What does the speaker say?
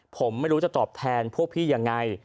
ผมไม่รู้จะตอบแทนพวกพี่ยังไง